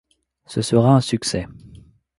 Ce sera un succès.